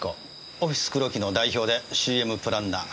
オフィス黒木の代表でＣＭプランナー。